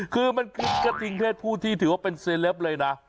คือมันคือกระทิงเพศผู้ที่ถือว่าเป็นเซลปเลยนะ